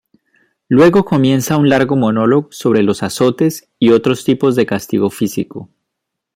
Luego comienza un largo monólogo sobre los azotes y otros tipos de castigo físico.